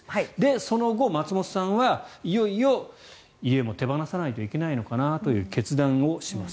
その後、松本さんはいよいよ家も手放さないといけないのかなという決断をします。